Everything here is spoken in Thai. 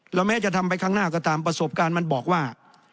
แล้วแม้จะทำไปข้างหน้าก็ตามประสบการณ์มันบอกว่า